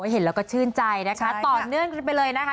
เห็นแล้วก็ชื่นใจนะคะต่อเนื่องกันไปเลยนะคะ